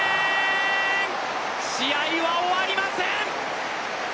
試合は終わりません！！